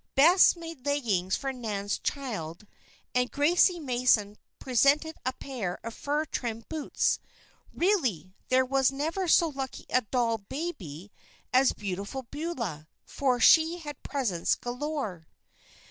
Bess made leggings for Nan's "child" and Gracie Mason presented a pair of fur trimmed boots. Really, there never was so lucky a doll "baby" as Beautiful Beulah, for she had presents galore.